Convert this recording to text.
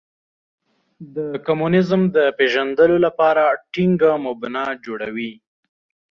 د کمونیزم د پېژندلو لپاره ټینګه مبنا جوړوي.